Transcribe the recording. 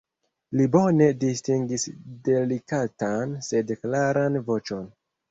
Li bone distingis delikatan, sed klaran voĉon.